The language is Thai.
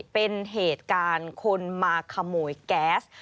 เป็นเหตุการณ์คนมาขโมยแก๊ส